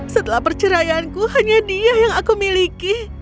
setelah perceraianku hanya dia yang aku miliki